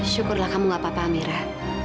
syukurlah kamu gak apa apa amirah